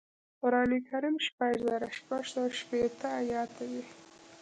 قران کریم شپږ زره شپږ سوه شپږشپېته ایاته دی